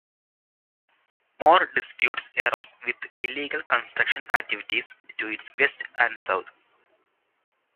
More disputes arose with illegal construction activities to its west and south.